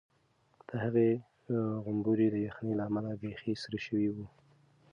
د هغې غومبوري د یخنۍ له امله بیخي سره شوي وو.